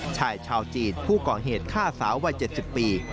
ชายชาวจีนผู้ก่อเหตุฆ่าสาววัย๗๐ปี